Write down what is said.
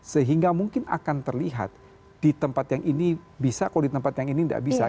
sehingga mungkin akan terlihat di tempat yang ini bisa kalau di tempat yang ini tidak bisa